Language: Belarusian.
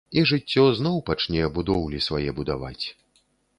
І жыццё зноў пачне будоўлі свае будаваць.